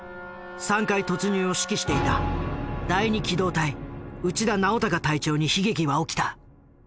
３階突入を指揮していた第二機動隊内田尚孝隊長に悲劇は起きた。